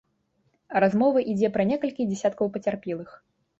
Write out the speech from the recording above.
Размова ідзе пра некалькі дзясяткаў пацярпелых.